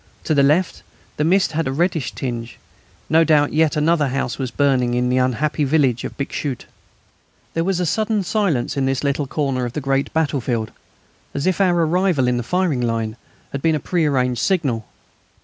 To the left the mist had a reddish tinge. No doubt yet another house was burning in the unhappy village of Bixschoote. There was a sudden silence in this little corner of the great battlefield, as if our arrival in the firing line had been a prearranged signal.